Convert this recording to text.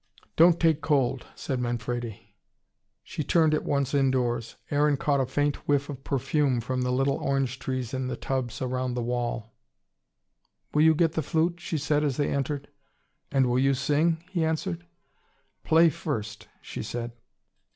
"Don't take cold," said Manfredi. She turned at once indoors. Aaron caught a faint whiff of perfume from the little orange trees in tubs round the wall. "Will you get the flute?" she said as they entered. "And will you sing?" he answered. "Play first," she said.